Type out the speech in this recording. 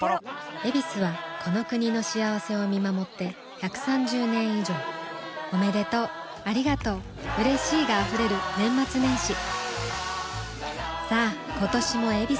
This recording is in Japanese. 「ヱビス」はこの国の幸せを見守って１３０年以上おめでとうありがとううれしいが溢れる年末年始さあ今年も「ヱビス」で